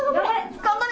頑張れ！